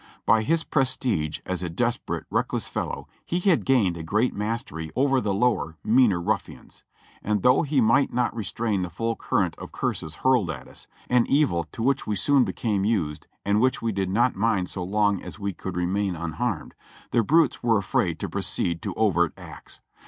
By his prestige as a desperate, reckless fellow he had gained a great mastery over the lower, meaner ruffians ; and though he might not restrain the full current of curses hurled at us, — an evil to which we soon became used and which we did not mind so long as we could remain unharmed, — the brutes were afraid to proceed to overt acts.